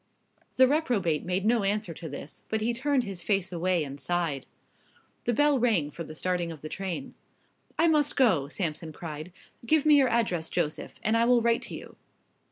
The reprobate made no answer to this; but he turned his face away and sighed. The bell rang for the starting of the train. "I must go," Sampson cried. "Give me your address, Joseph, and I will write to you."